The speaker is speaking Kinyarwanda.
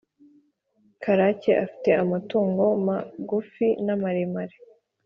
karake afite amatungo magufi na maremare